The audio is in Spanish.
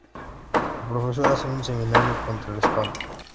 El Profesor hace un seminario contra el spam.